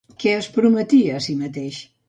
Què es prometia a si mateix?